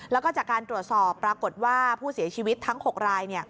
แล้วก็จากการตรวจสอบปรากฏว่าผู้เสียชีวิตทั้ง๖ราย